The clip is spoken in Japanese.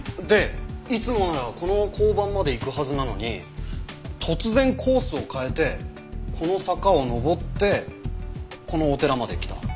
でいつもならこの交番まで行くはずなのに突然コースを変えてこの坂を上ってこのお寺まで来た。